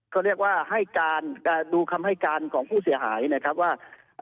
เขาเรียกว่าให้การดูคำให้การของผู้เสียหายนะครับว่า